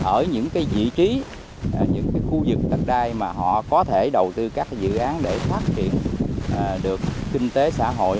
ở những cái vị trí những cái khu vực đặc đai mà họ có thể đầu tư các dự án để phát triển được kinh tế xã hội